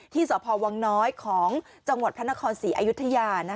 สพวังน้อยของจังหวัดพระนครศรีอยุธยา